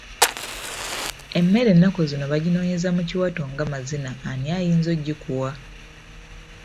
Emmere enakuzino bajinonyeza mu kiwato ng'amazina ani ayinza okugikuwa?